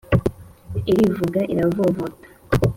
irivuga iravovota